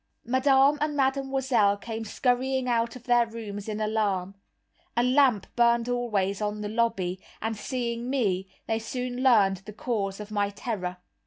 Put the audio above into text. Madame and Mademoiselle came scurrying out of their rooms in alarm; a lamp burned always on the lobby, and seeing me, they soon learned the cause of my terror.